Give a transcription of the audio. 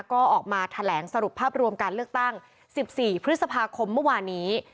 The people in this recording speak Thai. ก็ออกมาแถลงสรุปภาพรวมการเลือกตั้ง๑๔พฤษภาคมเมื่อวานนี้